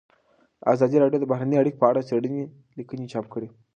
ازادي راډیو د بهرنۍ اړیکې په اړه څېړنیزې لیکنې چاپ کړي.